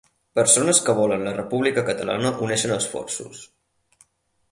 Persones que volen la República Catalana uneixen esforços.